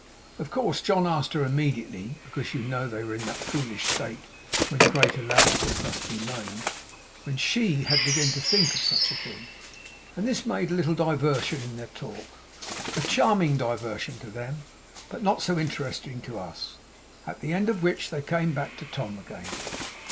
Of course John asked her immediately because you know they were in that foolish state when great allowances must be made when SHE had begun to think of such a thing, and this made a little diversion in their talk; a charming diversion to them, but not so interesting to us; at the end of which, they came back to Tom again.